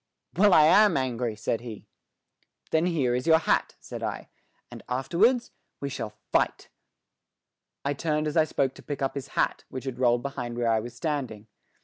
"Well, I am angry," said he. "Then here is your hat," said I, "and afterwards we shall fight." I turned as I spoke to pick up his hat, which had rolled behind where I was standing.